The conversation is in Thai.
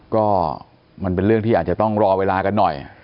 ก็มันเป็นเรื่องที่อาจจะต้องรอเวลากันหน่อย